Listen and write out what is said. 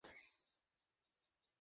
থামো তো, তুমি পাল্টাবে না।